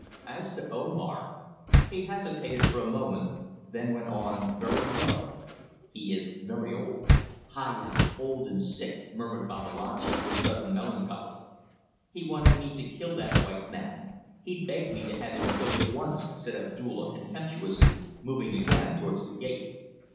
"As to Omar." He hesitated for a moment, then went on very low: "He is very old." "Hai ya! Old and sick," murmured Babalatchi, with sudden melancholy. "He wanted me to kill that white man. He begged me to have him killed at once," said Abdulla, contemptuously, moving again towards the gate.